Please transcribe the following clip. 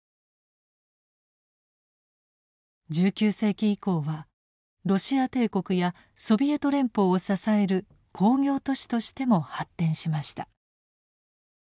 １９世紀以降はロシア帝国やソビエト連邦を支える工業都市としても発展しました。